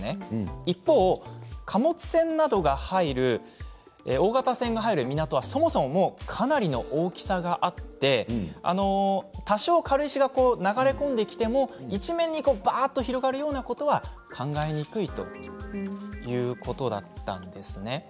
一方、貨物船などが入る大型船が入る港はそもそもかなりの大きさがあって多少、軽石が流れ込んできても一面に、ばあっと広がるようなことは考えにくいということだったんですね。